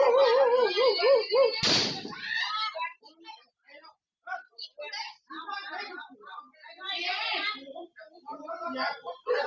มันกลับ